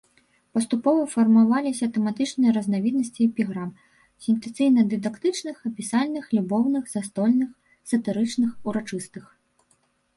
Паступова фармаваліся тэматычныя разнавіднасці эпіграм сентэнцыйна-дыдактычных, апісальных, любоўных, застольных, сатырычных, урачыстых.